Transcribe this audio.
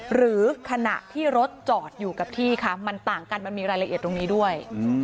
หรือขณะที่รถจอดอยู่กับที่ค่ะมันต่างกันมันมีรายละเอียดตรงนี้ด้วย